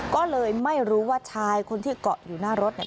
ก็เลยไม่รู้ว่าชายคนที่เกาะอยู่หน้ารถเนี่ย